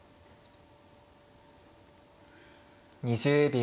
２０秒。